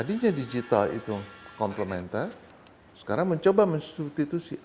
sepertimu bantu operasi lani formats